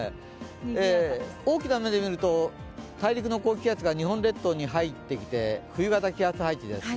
大きな目で見ると大陸の高気圧が日本列島に入ってきて冬型気圧配置です。